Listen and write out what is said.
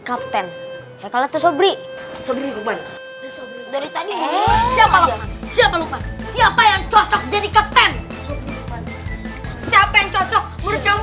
captain hekal atau sobri sobri dari tadi siapa siapa yang cocok jadi captain siapa yang cocok burukamu